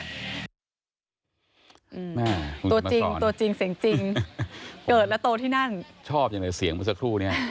แม่ตัวจริงตัวจริงเสียงจริงเกิดแล้วโตที่นั่นชอบอย่างในเสียงเมื่อสักครู่เนี้ย